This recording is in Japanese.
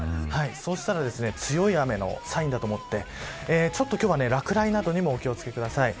そうしたら強い雨のサインだと思って今日は落雷などにもお気を付けください。